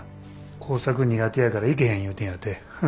工作苦手やから行けへん言うてんやて。